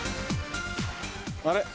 あれ？